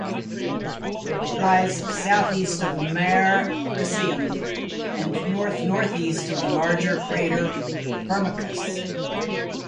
It lies southeast of Mare Crisium, and north-northeast of the larger crater Firmicus.